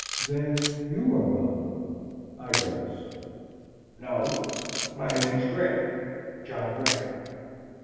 "Then YOU are Bob." (Eye glass.) "No, my name is Grey, John Grey."